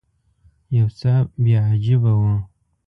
یو څه بیا عجیبه و.